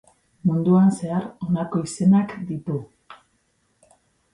Munduan zehar honako izenak ditu.